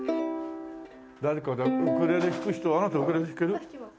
誰かウクレレ弾く人あなたウクレレ弾ける？あっ弾けます。